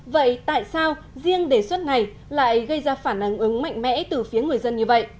vậy tại sao riêng đề xuất này lại gây ra phản ứng mạnh mẽ từ phía người dân như vậy